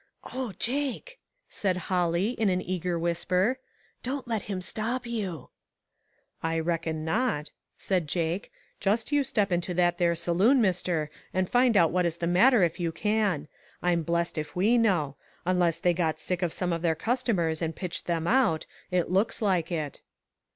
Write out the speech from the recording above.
" O Jake," said Holly, in an eager whisper, "don't let him stop you." 334 ONE COMMONPLACE DAY. " I reckon not," said Jake ;" just you step into that there saloon, . Mister, and find out what is the matter if you can. I'm blessed if we know ; unless they got sick of some of their customers and pitched them out ; it looks like it."